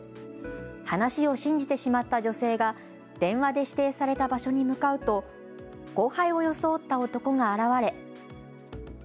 話を信じてしまった女性が電話で指定された場所に向かうと後輩を装った男が現れ。